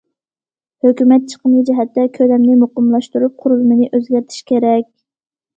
ھۆكۈمەت چىقىمى جەھەتتە كۆلەمنى مۇقىملاشتۇرۇپ، قۇرۇلمىنى ئۆزگەرتىش كېرەك.